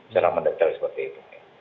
secara mendetail seperti itu